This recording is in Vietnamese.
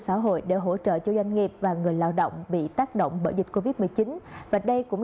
xã hội để hỗ trợ cho doanh nghiệp và người lao động bị tác động bởi dịch covid một mươi chín và đây cũng